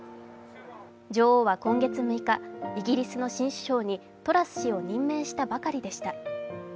女王は今月６日、イギリスの新首相にトラス氏を任命したばかりでした。